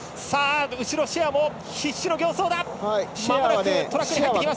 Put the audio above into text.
シェアも必死の形相だ！